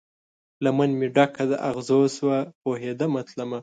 لمن مې ډکه د اغزو شوه، پوهیدمه تلمه